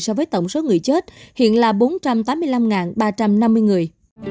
so với tổng số người chết hiện là bốn trăm tám mươi năm ba trăm năm mươi người